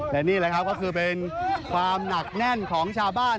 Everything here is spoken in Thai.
และนี่แหละครับก็คือเป็นความหนักแน่นของชาวบ้าน